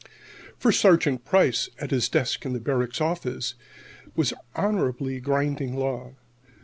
First Sergeant Price, at his desk in the Barracks office, was honorably grinding law.